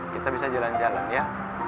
kita bisa jalan jalan ya